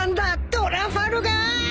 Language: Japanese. トラファルガー！